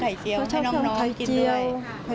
ไข่เจียวไข่เจียวส่วนมากก็ชอบทำไข่เจียวให้น้องกินด้วย